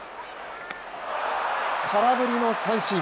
空振りの三振。